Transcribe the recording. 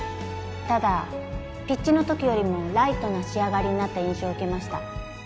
ただピッチの時よりもライトな仕上がりになった印象を受けました